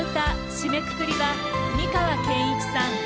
締めくくりは美川憲一さん